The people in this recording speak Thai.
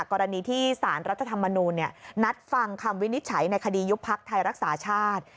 กรณีที่สารรัฐธรรมนูญนัดฟังคำวินิจฉัยในคดียุบพักไทยรักษาชาติ